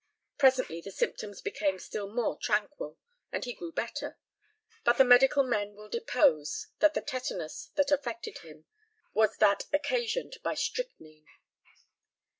Presently the symptoms became still more tranquil, and he grew better; but the medical men will depose that the tetanus that afflicted him was that occasioned by strychnine.